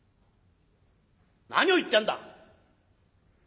何を言ってやんだ。